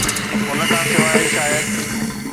ان کان سواء، شايد